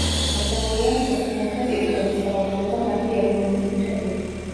მოცემულია მწვრთნელთა ტიტულების რაოდენობა მათი ეროვნების მიხედვით.